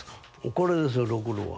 これですよろくろは。